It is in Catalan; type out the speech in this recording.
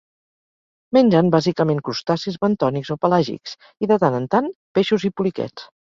Mengen bàsicament crustacis bentònics o pelàgics, i, de tant en tant, peixos i poliquets.